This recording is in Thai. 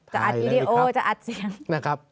จะอัดวิดีโอจะอัดเสียง